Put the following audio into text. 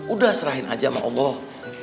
udah serahin aja sama allah